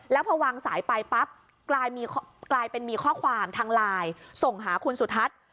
แล้วพอวางสายไปปั๊บกลายเป็นมีข้อความทางไลน์ส่งหาคุณสุทัศน์